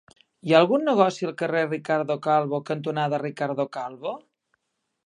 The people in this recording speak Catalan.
Hi ha algun negoci al carrer Ricardo Calvo cantonada Ricardo Calvo?